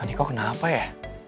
nih kok kenapa ya